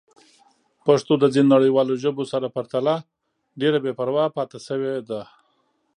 پښتو د ځینو نړیوالو ژبو سره پرتله ډېره بې پروا پاتې شوې ده.